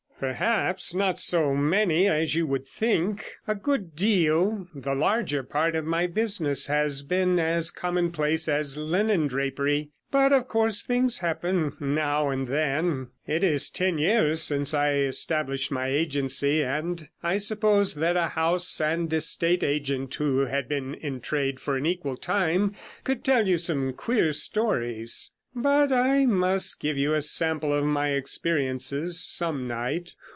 'Perhaps not so many as you would think; a good deal the larger part of my business — has been as commonplace as linen drapery. But, of course, things happen now and then. It is ten years since I established my agency, and I suppose that a house and estate agent who had been in trade for an equal time could tell you some queer stories. But I must give you a sample of my experiences some night.'